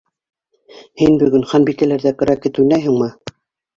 Һин бөгөн Ханбикәләрҙә крокет уйнайһыңмы?